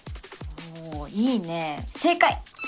おおいいね正解！